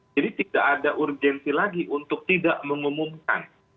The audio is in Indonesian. jadi tidak ada urgensi lagi untuk tidak mengumumkan